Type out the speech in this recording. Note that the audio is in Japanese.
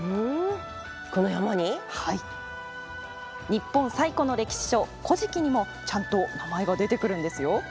日本最古の歴史書「古事記」にもちゃんと名前が出てくるんですよ。